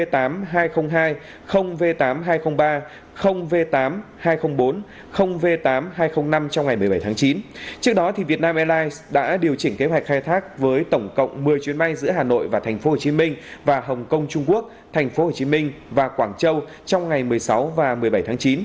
trước đó việt nam airlines đã điều chỉnh kế hoạch khai thác với tổng cộng một mươi chuyến bay giữa hà nội và tp hcm và hồng kông trung quốc tp hcm và quảng châu trong ngày một mươi sáu và một mươi bảy tháng chín